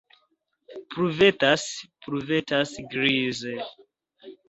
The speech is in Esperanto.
Pluvetas, pluvetas grize.